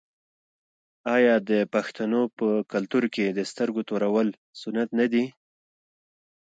آیا د پښتنو په کلتور کې د سترګو تورول سنت نه دي؟